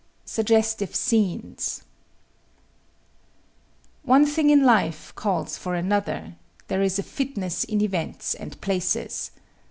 SUGGESTIVE SCENES One thing in life calls for another; there is a fitness in events and places.